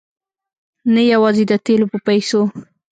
نه یوازې د تېلو په پیسو.